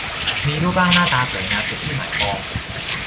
มีรูปร่างหน้าตาสวยงามเป็นที่หมายปอง